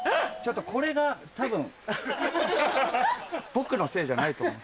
これが多分僕のせいじゃないと思う。